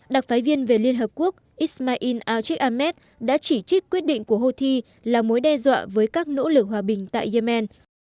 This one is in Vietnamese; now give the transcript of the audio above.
đặc phái viên về liên hợp quốc israel al trích ahmed đã chỉ trích quyết định của houthi là mối đe dọa với các nỗ lực hòa bình tại yemen